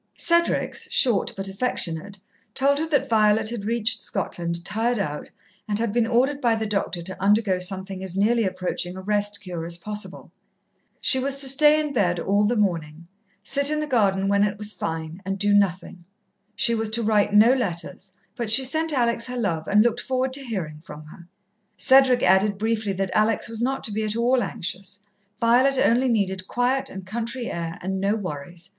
Cedric's, short but affectionate, told her that Violet had reached Scotland tired out, and had been ordered by the doctor to undergo something as nearly approaching a rest cure as possible. She was to stay in bed all the morning, sit in the garden when it was fine, and do nothing. She was to write no letters, but she sent Alex her love and looked forward to hearing from her. Cedric added briefly that Alex was not to be at all anxious. Violet only needed quiet and country air, and no worries.